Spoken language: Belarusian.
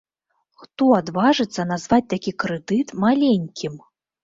Хто адважыцца назваць такі крэдыт маленькім?